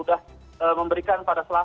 dan juga kami sudah